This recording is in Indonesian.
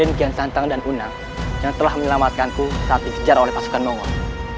dan kemungkinan santang dan unang yang telah menyelamatkanku saat dikejar oleh pasukan mongol